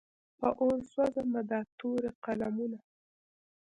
په اور وسوځه دا تورې قلمونه.